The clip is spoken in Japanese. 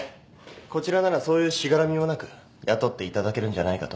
こちらならそういうしがらみもなく雇っていただけるんじゃないかと。